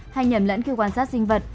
hay nhầm lẫn khi quan sát sinh vật